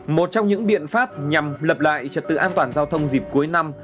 một trong những biện pháp nhằm lập lại trật tự an toàn giao thông dịp cuối năm